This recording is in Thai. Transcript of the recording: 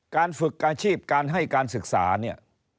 การฝึกอาชีพการให้การศึกษาเนี่ย